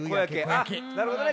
あっなるほどね。